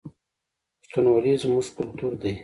پښتونولي زموږ کلتور دی